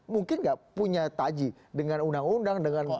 mungkin nggak punya taji dengan undang undang dengan